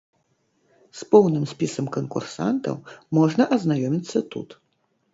З поўным спісам канкурсантаў можна азнаёміцца тут.